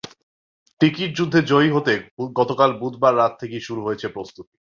Ticket যুদ্ধে জয়ী হতে গতকাল বুধবার রাত থেকেই শুরু হয়েছে প্রস্তুতি।